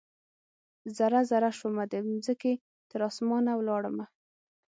ذره ، ذره شومه د مځکې، تراسمان ولاړمه